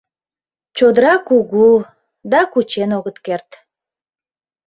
ЧОДЫРА КУГУ, ДА КУЧЕН ОГЫТ КЕРТ